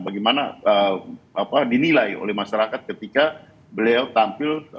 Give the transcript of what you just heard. bagaimana dinilai oleh masyarakat ketika beliau tampil